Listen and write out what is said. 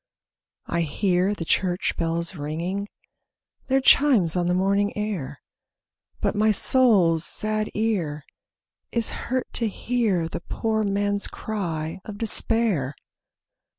I hear the church bells ringing Their chimes on the morning air; But my soul's sad ear is hurt to hear The poor man's cry of despair.